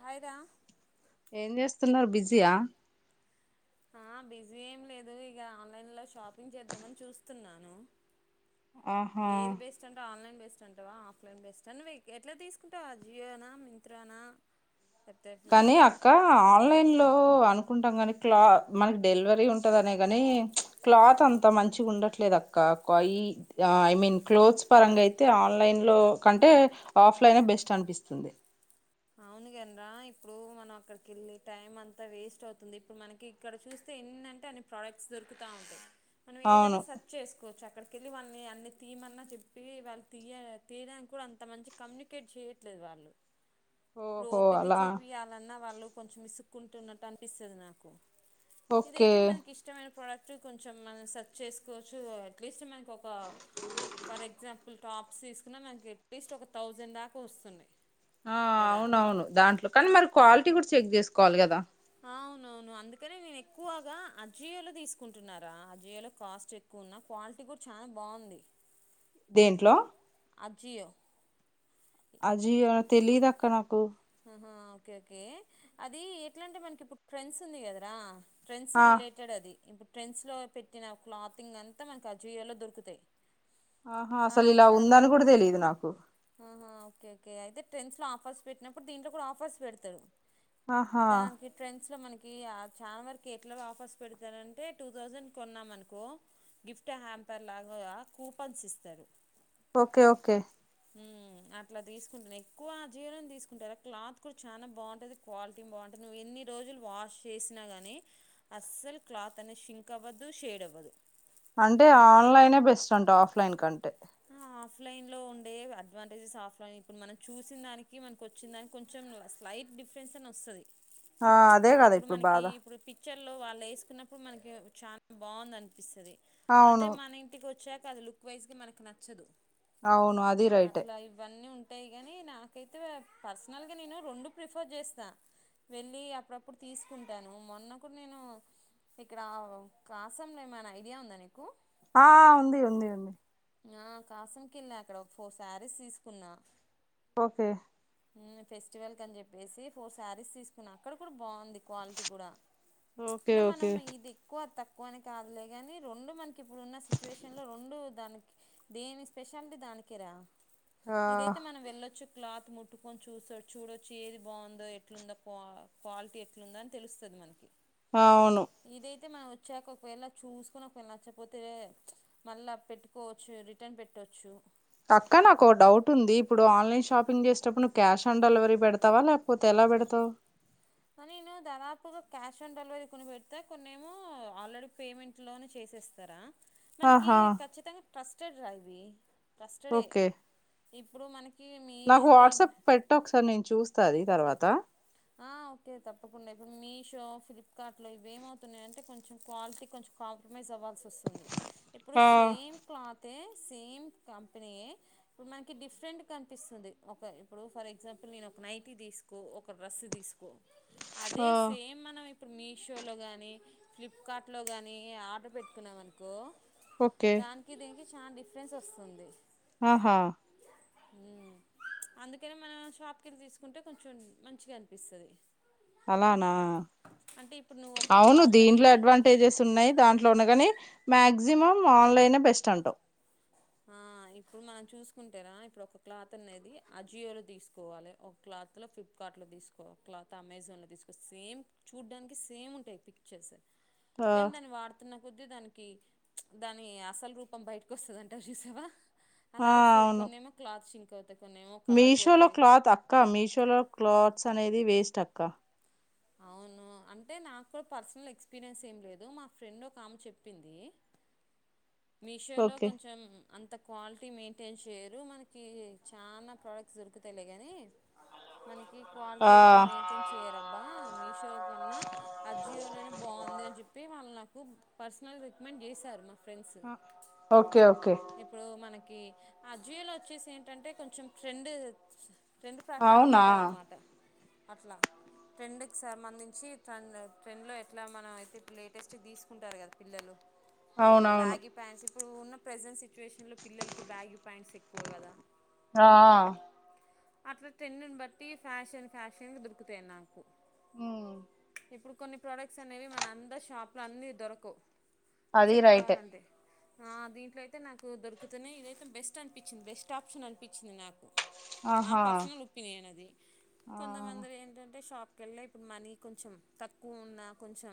Hi రా ఏం చేస్తున్నారు బిజీయా ఆ బిజీ ఏం లేదు ఇక ఆన్లైన్లో షాపింగ్ చేద్దామని చూస్తున్నాను ఏది బేస్ట్ అంటే ఆన్లైన్ బేస్ బ అంటావా ఆఫ్లైన్ బెస్ట్ అం ఎట్లా తీసుకుంటావా ఆజియోనా మింత్ర్రానా కానీ అక్క ఆన్లైన్ లో అనుకుంటాం కానీ క్లా మనకి డెలివరీ ఉంటుందినే ని క్లాత్ అంత మంచి ఉండట్లేదు అక్క ఐ మీన్ క్లోత్స్ పరంగా అయితే ఆన్లైన్ లో కంటే ఆఫ్లైన్ బెస్ట్ అనిపిస్తుంది అవునుగన్రా ఇప్పుడు మనం అక్కడికి వెళ్ళి టైం అంతా వేస్ట్ అవుతుంది ఇప్పుడు మనకి ఇక్కడ చూస్తే ఎంటంటే అన్ని ప్రొడక్ట్స్ దొరుకుతా ఉంటాయి మనం ఏదైనా సచ్ చేసుకోవచ్చు అక్కడకి కెళ్ళి వాళ్ళని అన్ని తీయమన్నా చెప్పి వాళ్ళు తీయ తీయడానికి కూడా అంత మంచి కమ్యూనికేట్ చేయట్లేదు వాళ్ళు ఇప్పుడు ఓపిక చూపియాలన్నా వాళ్ళు కొంచెం ఇసుక్కుంటున్నట్టు అనిపిస్తుంది నాకు ఇదైతే మనకి ఇష్టమైన ప్రోడక్ట్ ట్ కొంచెం మనం సెర్చ్ చేసుకోవచ్చు అట్లీస్ట్ మనకు ఒక ఫర్ ఎగ్జాంపుల్ టాప్స్ తీసుకున్న మనకి ఎట్లీస్ట్ ఒక థౌజండ్ దాకా వస్తున్నాయి ఆ అవునవును దాంట్లో కానీ మరి క్వాలిటీ కూడా చెక్ చేసుకోవాలి కదా అవునవును అందుకనే నేను ఎక్కువగా అజియోలో తీసుకుంటున్నారా అజియోలో కాస్ట్ ఎక్కువ ఉన్న క్వాలిటీ కూడా చాలా బాగుంది దేంట్లో ఆజియో ఆజియో తెలీదక్క నాకు ఆ ఓకే ఓకే అది ఎట్లా అంటే మనకి ఇప్పుడు ట్రెండ్స్ ఉంది కదరా ఫ్ట్రెండ్స్ రిలేటెడ్ అది ఇప్పుడు ట్రెండ్స్ లో పెట్టిన క్లాతింగ్ అంతా మనకు ఆజియోలో దొరుకుతాయి ఆహా అసలు ఇలా ఉందని కూడా తెలిదు నాకు ఆహ ఓకేఓకే అయితే ట్రెండ్స్ లో ఆఫర్స్ పెట్టినప్పుడు దీంట్లో కూడా ఆఫర్స్ పెడతడు దానికి ట్రెండ్స్ లో మనకి కియాడ్ చానా వరకు కేక్ లో ఆఫర్స్ పెడుతారంటే టూ థౌజండ్ కొన్నాం అనుకో గిఫ్ట్ హ్యాంపర్ లాగా కూపన్స్ ఇస్తారు ఓకే ఓకే హ్మ్ అట్లా దిసుకుంటాను ఎక్కువ జీరం తీసుకుంటారు క్లాత్ కూడా చాన్నా బావుంటది క్వాలిటీ బావుంటది నువ్వు ఎన్ని రోజులు వాష్ చేసినా గాని అస్సలు క్లాత్ అనేది షింక్ అవ్వద్దు షేడ్ అవ్వదు అంటే ఆన్లైనే బెస్ట్ అంటా ఆఫ్లైన్ కంటే ఆఫ్లైన్ లో ఉండే అడ్వాంటేజెస్ ఆఫ్లైన్ ఇప్పుడు మనం చూసిన దానికి మనకు వచ్చిన దానికి కొంచెం స్లైట్ డిఫరెన్స్ అని వస్తాది ఆ అదే కదా ఇప్పుడు బాధ లో వాళ్ళు వేసుకున్నప్పుడు మనకి చానా బావుందనిపిస్తాది అదే మన ఇంటికి వచ్చాక అది లుక్ వైస్క్ మనకి నచ్చదు అవును అది రైటే అట్టే కానీ నాకైతే పర్సనల్గా నేను రెండు ప్రిఫర్ చేస్తా వెళ్ళి అప్పుడప్పుడు తీసుకుంటాను మొన్న కూడా నేను ఇక్కడ క్రాసం లేమని ఐడియా ఉందా నీకు ఆ ఉంది ఉంది ఉంది ఆ కాసం కెల్లా అక్కడ ఒక ఫోర్ శారీస్ తీసుకున్నా ఓకే మ్మ్ ఫెస్టివల్ కని చెప్పేసి ఫోర్ శారీస్ తీసుకున్నా అక్కడ కూడా బాగుంది. క్వాలిటీ కూడా ప్చ్ అంటే మనం ఇది ఎక్కువ తక్కు తక్కువని కాదులేగాని రెండు మనకి ఇప్పుడు ఉన్న సిచ్యువేషన్ లో రెండు దాని దేని స్పెషాలిటీ దానికేరా ఇదైతే మనం వెళ్ళొచ్చు క్లాత్ ముట్టుకొని చూసోచ్చ చూడొచ్చు ఏది బాగుందో ఎట్లుందో క్వా క్వాలిటీ ఎట్లుందా అని తెలుస్తాది మనకి అవును అయితే మనం వచ్చాక ఒకవేళ చూసుకొని ఒకవేళ నచ్చపోతే ప్చ్ మళ్ళీ పెట్టు కోవచ్చు రిటర్న్ పెట్టవచ్చు అక్క నాకోడౌట్ ఉంది ఇప్పుడు ఆన్లైన్ షాప్ పింగ్ చేసటప్పుడు నువ్వు క్యాష్ ఆన్ డెలివరీ పెడతావా లేకపోతే ఎలా పెడతావ్ మా నేను దాదాపుగా క్యాష్ ఆన్ డెలివరీ కొనిపెడితే కొనేమో ఆల్రెడీ పేమెంట్ లోనే చేసేస్తారా మనకి ఖచ్చితంగా ట్రస్ట్ర్డ్ రా ఇది ట్రస్టడే ఇప్పుడు మనక్ నాకు వాట్సాప్ పెట్ ఒకసారి నేను చూస్త్ ఓక్సారి తర్వాత ఆ ఓకే తప్పకుండా ఇప్పుడు మీషో ఫ్లిప్కార్ట్ లో ఇవేమవుతున్నాయ్ అంటే కొంచెం క్వాలిటీ కొంచెం కాంప్రమైజ్ అవ్వాల్సి వస్తుంది ఇప్పుడు సేమ్ క్లాత్ అదే సేమ్ కంపెనీయే ఇప్పుడు మనకి డిఫరెంట్ కనిపిస్తుంది. ఒకే ఇప్పుడు ఫర్ ఎగ్జాంపుల్ నేను ఒక నైటీ తీసుకో ఒక డ్రస్సు తీసుకో అదే సేమ్ మనం ఇప్పుడు మీషోలో కానీ ఫ్లిప్కార్ట్లో కానీ ఆర్డర్ పెట్టుకున్నామ అనుకో దానికి దేనికి చా డిఫరెన్స్ వస్తుంది ఆహా అందుకనే మనం షాప్కివెళ్లి తీసుకుంటే కొంచెం మంచిగా అనిపిస్తుది అలానా అవును దీంట్లో అడ్వాంటేజెస్ ఉన్నాయి దాంట్లో ఉన్నా కాని మ్యాక్సిమం ఓన్లైన్ బెస్ట్ ఉంటో ఆ ఇప్పుడు మనం చూసుకుంటేరా ఇప్పుడు ఒక క్లాత్ అనేది అజియో లో తీసుకోవాలి ఒక క్లాత్ లో ఫ్లిప్కార్ట్ లో తీసుకోవాలి ఒక క్లాత్ అమెజాన్ లో తీసుకోవాలి సేమ్ చూడ్డానికి సేమ్ ఉంటాయి పిక్చర్స్ కానీ వాడితే కొది దానికి దాని అసలు రూపం బయటకు వస్తుందింటే సి సవా అలా వస్తుది కొన్ని ఏమో క్లాత్ సిం మీషోలో క్లత్ అక్క మీసలో క్లత్ అనేది వేస్ట్ అక్క అవును అంటే నాకు పర్సనల్ ఎక్స్పీరియన్స్ ఏం లేదు మా ఫ్రెండ్ ఒక ఆమె చెప్పింది మీషోలో కొంచెం అంత క్వాలిటీ మెయింటైన్ చేయరు మనకి చాలా ప్రోడక్ట్స్ దొరుకుతాయిలే కానీ మనకి ఈ క్వాలిటీ ఎక్కువ మెయింటైన్ చేయరంట మీషో కన్నా అజియోలోనే బాగుంది అని చెప్పి వాళ్ళు నాకు పర్సనల్ రికమెండ్ చేశారు మా ఫ్రెండ్స్ ఓకే ఓకే ఆ జియోలో వచ్చేసి ఏంటంటే కొంచెం ట్రెండ్ రెండు ప్రకారం ఉంటదన్నమాట అట్లా ట్రెండ్కి సంబంధించి ట్రెండ్ ట్రెండ్లో ఎట్లా మనం అయితే లేటెస్ట్ తీసుకుంటారు కదా పిల్లలు అవునవును ఇప్పుడు ఉన్న ప్రెజెన్స్ సిచువేషన్ లో పిల్లలకి బ్యాగీపాంట్స్ ఎక్కువ కదా అట్లా ట ట్రెండ్ బట్టి ఫ్యాషన్ ఫ్యాషన్ దొరుకుతాయి నాకు ఆ ఇప్పుడు కొన్ని ప్రోడక్ట్స్ అనేవి మన అందరి షాప్లో అన్న దొరకవ్ చెప్పుకోవాలండి ఆ దీంట్లో అయితే నాకు దొరుకుతనే ఇదైతే బెస్ట్ అనిపించింది బెస్ట్ ఆప్షన్ అనిపించింది నాకు నా పర్సనల్ ఒపీనియన్ అది కొంతమంది ఏంటంటే షాప్ పెళ్లిఅయి ఇప్పుడు మనీ కొంచెం తక్కువ ఉన్న కొంచెం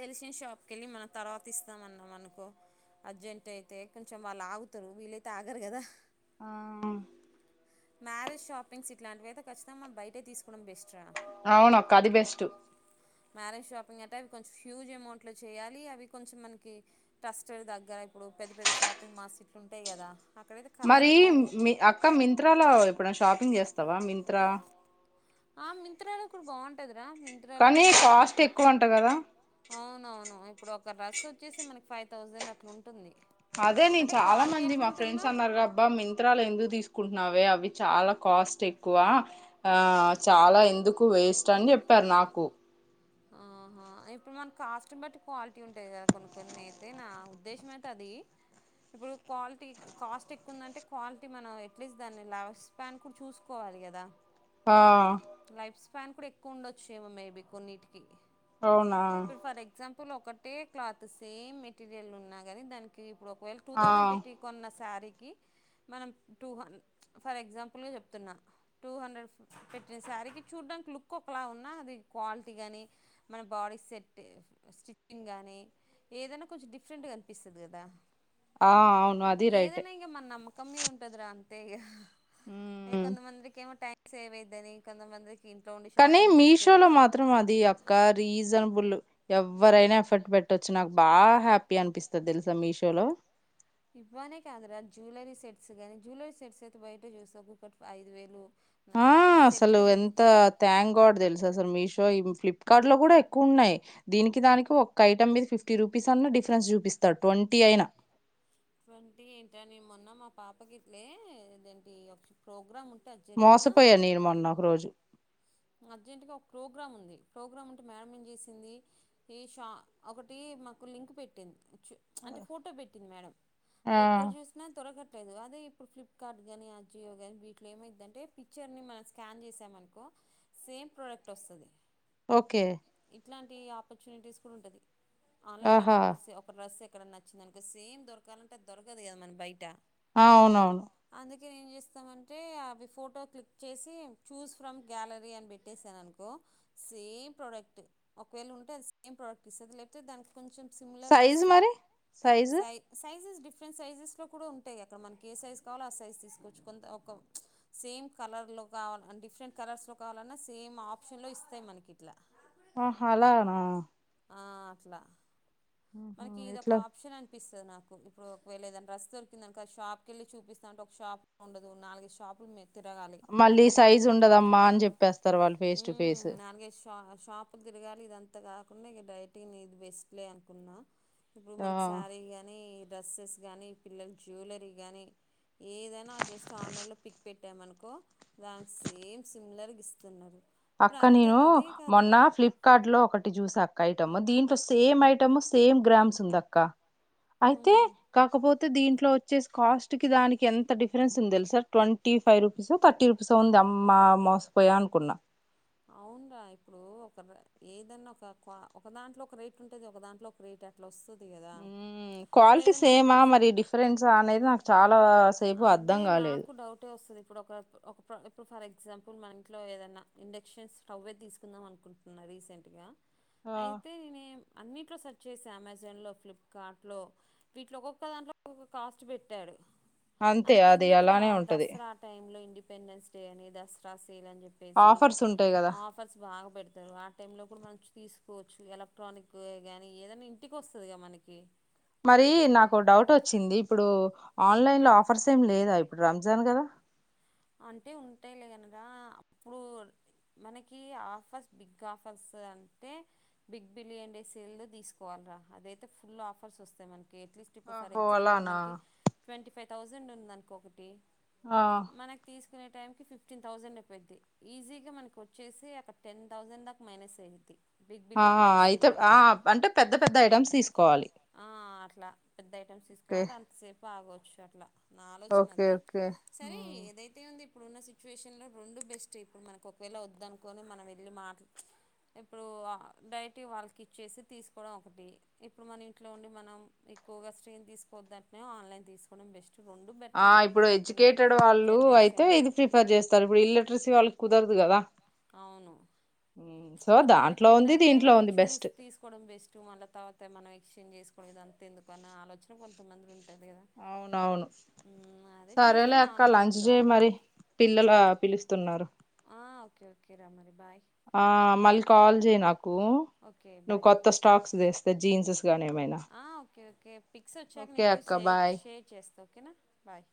తెలిసిన షాప్కి వెళ్ళి మనం తర్వాత ఇస్తామ అన్నాం అనుకో అర్జెంట్ అయితే కొంచెం వాళ్ళు ఆగుతారు వీళ్ళైతే ఆగరు కదా ఆ మ్యారేజ్ షాపింగ్స్ ఇట్లాంటివియితే ఖచ్చితంగా మనం బయటే తీసుకోవడం బెస్ట్ అవున అక్క అది బెస్ట్ మ్యారేజ్ షాపింగ్ అంటే అవి కొంచెం హ్యూజ్ అమౌంట్ లో చేయాలి అవి కొంచెం మనకి ట్రస్టర్ దగ్గర ఇప్పుడు పెద్ద పెద్ద షాపింగ్ మాల్స్ ఉంటాయి కదా మరి మీ అక్క మిన్ త్ర లో ఇప్పుడు షాపింగ్ చేస్తావా మింత్రా ఆ మింత్రా లో కూడా బాగుంటది దా మిన్త్రలో కూడా బానే అవునవును ఇప్పుడు ఒక డ్రెస్ వచ్చేసి మన ఫై్థౌసండ్ అట్లా అదే నేన్ చాలా మంది మా ఫ్రెండ్స్ అన్నారు అబ్బా మింత్రాలు ఎందుకు తీసుకుంటున్నావే అవి చాలా కాస్ట్ ఎక్కువ ఆ చాలా ఎందుకు వేస్ట్ అని చెప్పారు నాకు ఆహా ఇప్పుడు మన కాస్ట్ని బట్టి క్వాలిటీ ఉంటుంది కదా కొన్ని కొన్ని అయితే నా ఉద్దేశం అయితే అది ఇప్పుడు క్వాలిటీ కాస్ట్ ఎక్కువందంటే క్వాలిటీ మనం ఎట్లీస్ట్ దాన్ని లైఫ్ స్పాన్ కూడా చూసుకోవాలి కదా ఆ ఫ్యాన్ కూడా ఎక్కువ ఉండొచ్ ఏమో మేబీ కొన్నిీటి ఇ అవునా ప్పులు ఒకటే క్లాత్ సేమ్ మెటీరియల్ ఉన్నా కాని దానికి ఇప్పుడు ఒకవేల టూథౌసండ్ పెట్టి కొన్న సారి మన టూ ఫర్ ఎగ్జాంపుల్గా చెప్తున్నా టూ హండ్రెడ్ పెట్టిన శారీకి చూడడానికి లుక్ ఒకలా ఉన్నా అది క్వాలిటీ గానీ మన బాడీ సెట్ స్టిచ్చింగ్ గానీ ఏదైనా కొంచెం డిఫరెంట్గా అనిపిస్తుంది కదా ఆ అవును అది రైటె కమ్మీది ఉంటది రా అంతేగా ఇకొంత మందికి ఏమో టా సేవ్ అయితది ఇంకొంతమంది ఇంట్లో ఉండి షాపింగ్ చేసుకోవచ్చు ది అక్క రీజనబుల్ ఎవ్ ఎవరైనా ఎఫర్ట్ పెట్టొచ్చు నాకు బాగా హ్యాపీ అనిపిస్తుంది తెలుసా మీషోలో ఇవ్వనే కాదరా జ్యవలరీ సెట్స్ కానీ జ్యువలరీ సెట్స్ అయితే బయట చూస్తా ఒకటి ఐదు వేలు ఆ అ సలు ఎంత థ్యాంక్ గాడ్ తెలుసా అ సలు మీషో ఫ్లిప్కార్ట్ లో కూడా ఎక్కువ ఉన్నాయి దీనికి దానికి ఒ ఒకక్క ఐటె మీద ఫిఫ్టీ రూపీస్ అన్న డిఫరెన్స్ చూపిస్తడు ట్వంటీ అయినా ట్వంటీ ఏంటనిే మొన్న మా పాపకి ఇట్లే ఏేంటి ఒక ప్రోగ్రామ్ ఉంట మోసపోయా నీను మొన్న ఒక రోజు అర్జెంట్గా ఒక ప్రోగ్రామ్ ఉంది ప్రోగ్రామ్ అంటే మేడం ఏం చేసింది ఈ షా ఒకటి మాకు లింక్ పెట్టింది అంటే ఫోటో పెట్టింది మేడం అవి ఎక్కడ చూసినా త్వరగ లేదు అదే ఇప్పుడు ఫ్లిప్కార్ట్ గానీ ఆజియో గాని వీటిలో ఏమైతుంటే పిక్చర్ ని మనం స్కాన్ చేసామనుకో సేమ్ ప్రోడక్ట్ వస్తది ఓకే ఇట్లాంటి ఆపర్చునిటీస్ కూడా ఉంటది ఆన్లైన్ అయితే ఇప్పుడు వొస్తే ఒక డ్రస్సే ఇక్కడ నచ్చింది అంటే సేమ్ దొరకాలంటే దొరకదు గదా మన బయట ఆ అవునవును కాని ఏం చేస్తామంటే అవి ఫోటో క్లిక్ చేసి చూస్ ఫ్రమ్ గ్యాలరీ అని పెట్టేసాను అనుకో సేమ్ ప్రొడక్ట్ ఒకవేళ ఉంటే అది సేమ్ ప్రొడక్ట్ ఇస్తుంది లేపోతే దానికి [inaudible] డిఫరెంట్ సైజెస్ లో కూడా ఉంటాయి అక్కడ మనకి ఏ సైజ్ కావాలో ఆ సైజ్ తీసుకోవచ్చు కొంత ఒక సేమ్ కలర్లో కావాల డిఫరెంట్ కలర్స్లో కావాలన్నా సేమ్ ఆప్షన్లో ఇస్తాయి మనకి ఇట్లా ఆహ అలగనా ఆ అట్లా మనకి ఇదొక ఆప్షన్ అనిపిస్తుంది నాకు ఇప్పుడు ఒక వెేళేవేల ఏదైన దొరికిందానుకో ఆ షాప్ కెళ్ళి చూపిస్తా అంటే ఒక షాప్ ఉండదు నాలుగు ఐదు షాపులు మళ్ళీ సైజు ఉండదమ్మా అని చెప్పేస్తారు వాళ్ళు ఫేస్ టు ఫేసు ఆ షాపులు తిరగాలి ఇదంతా కాకుండా ఇ డైటింగ్ ఇది బెస్ట్లే అనుకున్నా ఇప్పుడు మనకి సారీగాని డ్రెస్సెస్ గానీ పిల్లల జ్యువలరీ గానీ ఏదైనా జస్ట్ ఆన్లైన్లో పిక్ పెట్ పెట్టామనుకో దానికి సేమ్ సిమిలర్ గా ఇస్ తన్నారు అక్క నేను మొన్న ఫ్లిప్ కార్ట్ లో ఒకటి చూసా అక్క ఐటమ్ము దీంట్లో సేమ్ ఐటమ్ సేమ్ గ్రామ్స్ ఉంది అక్క అయితే కాకపో అయితే దీంట్లో వచ్చేసి కాస్ట్ కి దానికి ఎంత డిఫరెన్స్ ఉంది దెలుసా ట్వంటీ ఫైవ్ రూపీస్ థర్టీ రూపీసో ఉంది అమ్మ మోసపోయా అనుకున్నా అవునురా ఇప్పుడు ఒక ఏదన్నా ఒక ఒక దాంట్లో ఒక రేట్ ఉంటుది ఒక దాంట్లో ఒక రేట్ అట్లా వస్తది క్వాలిటీ సేమా మరి డిఫరెంన్సా అనేది నాకు చాలా సేపు అర్దం గాలేదు ఇప్పుడు ఒక ఒక ఇప్పుడు ఫర్ ఎగ్జాంపుల్ మన ఇంట్లో ఏదనా ఇండె కిచన్స్ స్టవ్వే తీసుకుందాం అనుకుంటున్నా రీసెంట్ గా అయితే నేనేం అన్నింటిలో సర్చ్ చేసా అమెజాన్లో ఫ్లిప్కార్ట్లో వీటిలో ఒక్కొక్క దాంట్లో ఒక్కొక్క కాస్ట్ పెట్టాడు అంతెందుకు రా దసరా ఆ టైం లో ఇం వెడ్నెస్ డే అని దస్ రాస్ [inaudible] చెప్పేసి ఆఫర్స్ బాగా పెడతారు ఆ టైమ్ లో కూడా మనం చూ తీసుకోవచ్చు ఎలక్ట్రానిక్ కే గానీ ఏదైనా ఇంటికి వస్తుందిగా మనకి మరి నాకో డౌట్ వచ్చింది. ఇప్పుడు ఆన్లైన్ లో ఆఫర్స్ ఏమి లేదా ఇప్పుడు రంజాన్ కదా అంటే ఉంటాయిలే కనగ అప్పుడు మనకి ఆఫర్స్ బిగ్ ఆఫర్స్ అంటే బిగ్ బిలియన్ డే సేల్ తీసుకోవాలిరా అదైతే ఫుల్ ఆఫర్స్ వస్తాయి మనకి ట్లీస్ట్ ఇప్పుడ్ ఫర్ ఎగ్జామ్పుల్ మనకి ట్వంటీ ఫైవ్ థౌజండ్ ఉందనుకొకటి ఆ తీసుకునే టైం కీ ఫిఫ్టీన్ థౌజండ్ అయిపోద్ది ఈజీగా మనకి వచ్చేసి ఒక టెన్ థౌసండ్ దాకా మైనస్ అయిద్ది ఆ అయితే ఆ అంటే పెద్ద పెద్ద ఐటమ్స్ తీసుకోవాలి. ట్లా పెద్ద ఐటమ్స్ తీసుకుర అంతసేపు ఆగవ చ్చట్లా నా ఆలోచన అది సరే ఏదై ఇప్పుడున్న సిట్యుయేషన్ లో రెండు బెస్ట్ ఇప్పుడు మనకు ఒకవేళ వద్దనుకోని మనం ఇల్లు మార్ ఇప్పుడు ఆ డైటీ వాళ్ళకి ఇచ్చేసి తీసుకోవడం ఒకటి ఇప్పుడు మన ఇంట్లో ఉండి మనం ఎక్కువగా స్ట్రీన్ తీసుకోవద్ధన్న ఆన్లైన్ తీసుకోవడం బెస్ట్ రెండు బెటర్ మనకైతే ఇప్పుడున్న జనరేషన్ తే ఇది ప్రిఫర్ చేస్తారు ఇప్పుడు ఇల్లట్రిసీ వాళ్ళకి కుదరదు కదా అవును కొంతమందికి ఏంటంటే చూస్ తీసుకోవడం బెస్ట్ మళ్ళా తర్వాత మనం ఎక్స్చేంజ్ చేసు ఇదంతా ఎందుకనే ఆలోచన కొంతమందిలో ఉ అవునవును సరే లే అక్క లంచ్ జేయ్ మరి పిల్లలు పిలుస్తున్నారు. ఆ ఓకే ఓకే రా మరి బాయ్. ఆ మళ్ళీ కాల్ చేయ్ నాకు నువ్వు కొత్త స్టాక్స్ తెస్తే జీన్సస్ గానీ ఏమై ఆ ఓకే ఓకే పిక్స్ర్ వచ్చాక నీకు షే షేర్ చేస్తావ్. ఓకేనా బాయ్.